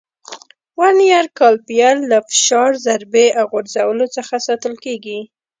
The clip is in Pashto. ورنیز کالیپر له فشار، ضربې او غورځولو څخه ساتل کېږي.